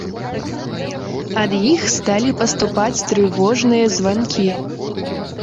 Ад іх і сталі паступаць трывожныя званкі.